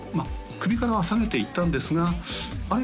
首からはさげていったんですが「あれ？